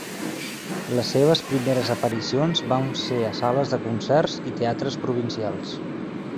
Les seves primeres aparicions van ser a sales de concerts i teatres provincials.